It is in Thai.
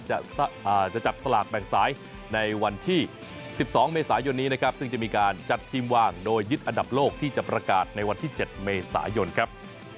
จะจับสลากแบ่งสายในวันที่๑๒เมษายนนี้นะครับซึ่งจะมีการจัดทีมวางโดยยึดอันดับโลกที่จะประกาศในวันที่๗เมษายนครับ